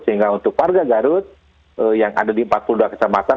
sehingga untuk warga garut yang ada di empat puluh dua kecamatan